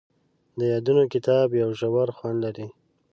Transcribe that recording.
د یادونو کتاب یو ژور خوند لري.